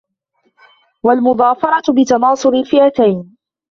وَالْمُظَافَرَةُ بِتَنَاصُرِ الْفِئَتَيْنِ